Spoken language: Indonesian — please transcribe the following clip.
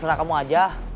terserah kamu aja